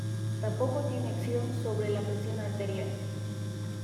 Tampoco tienen acción sobre la presión arterial.